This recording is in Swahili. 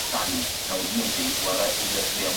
william shakespeare alitunga maigizo na tamthiliya zake